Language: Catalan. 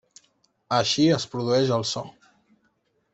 Així es produeix el so.